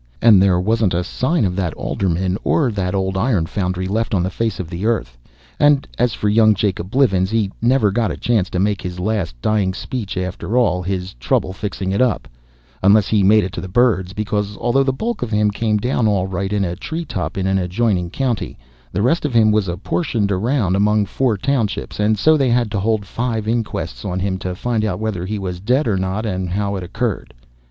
And there wasn't a sign of that alderman or that old iron foundry left on the face of the earth; and, as for young Jacob Blivens, he never got a chance to make his last dying speech after all his trouble fixing it up, unless he made it to the birds; because, although the bulk of him came down all right in a tree top in an adjoining county, the rest of him was apportioned around among four townships, and so they had to hold five inquests on him to find out whether he was dead or not, and how it occurred.